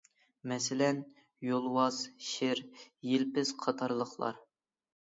مەسىلەن: يولۋاس، شىر، يىلپىز قاتارلىقلار.